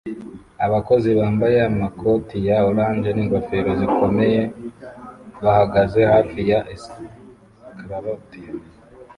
Abakozi bambaye amakoti ya orange n'ingofero zikomeye bahagaze hafi ya escalator